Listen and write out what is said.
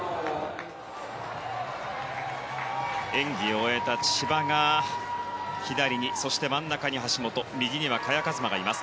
演技を終えた千葉が左に、そして真ん中に橋本右には萱和磨がいます。